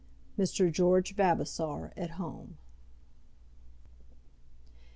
Mr. George Vavasor at Home.